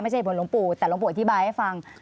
ไม่ใช่บทหลวงปู่แต่หลวงปู่อธิบายให้ฟัง